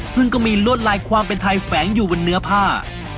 ซึ่งก็มีลวดลายความเป็นไทยแฝงอยู่บนเนื้อผ้า